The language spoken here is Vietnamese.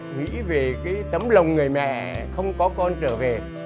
nghĩ về cái tấm lòng người mẹ không có con trở về